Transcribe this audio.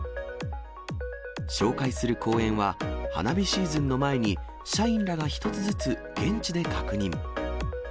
紹介する公園は、花火シーズンの前に社員らが１つずつ現地で確認。